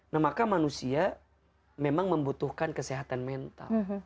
nah maka manusia memang membutuhkan kesehatan mental